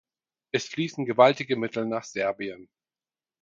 Es fließen gewaltige Mittel nach Serbien.